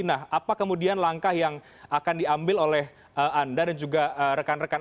nah apa kemudian langkah yang akan diambil oleh anda dan juga rekan rekan